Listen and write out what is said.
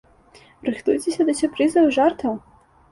Рыхтуйцеся да сюрпрызаў і жартаў!